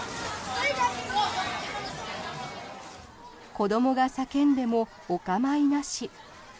子どもが叫んでもお構いなし。